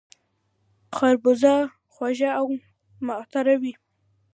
خربوزه خوږه او معطره وي